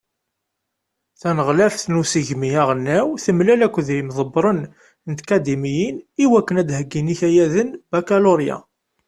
Taneɣlaft n usegmi aɣelnaw temlal akked imḍebbṛen n tkadimiyin iwakken ad heggin ikayaden Bakaluṛya.